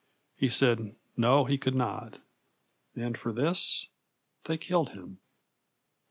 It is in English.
He said, No, he could not. And for this they killed him.